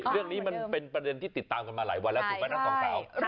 เรื่องนี้มันเป็นประเด็นที่ติดตามกันมาหลายวันแล้วถูกไหมทั้งสองสาว